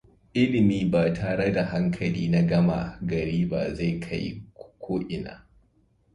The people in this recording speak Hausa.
Ilimi ba tare da hankali na gama gari ba zai kai ku ko'ina.